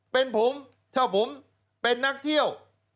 เป็นผมถ้าผมเป็นนักเที่ยว